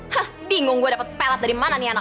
hah bingung gue dapet pelat dari mana nih anak